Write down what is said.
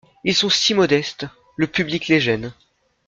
Ils sont si modestes ! le public les gêne.